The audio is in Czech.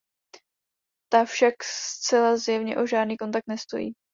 Ta však zcela zjevně o žádný kontakt nestojí.